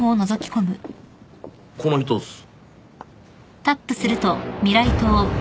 この人っす。